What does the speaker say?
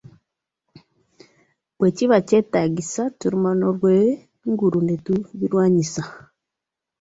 Bwe kiba kyetaagisa tuluma n'ogwengulu ne tubilwanyisa.